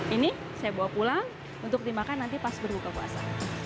ini saya bawa pulang untuk dimakan nanti pas berbuka puasa